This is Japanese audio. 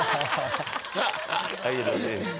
ありがとうございます。